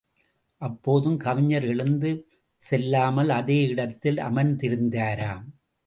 அப்போதும் கவிஞர் எழுந்து செல்லாமல் அதே இடத்தில் அமர்ந்திருந்தாராம்.